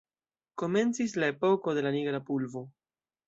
Komencis la epoko de la nigra pulvo.